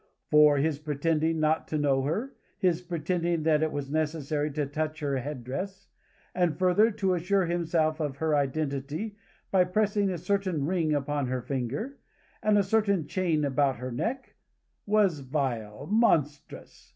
For his pretending not to know her; his pretending that it was necessary to touch her head dress, and further to assure himself of her identity by pressing a certain ring upon her finger, and a certain chain about her neck; was vile, monstrous!